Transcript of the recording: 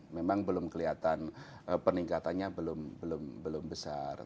memang belum kelihatan peningkatannya belum besar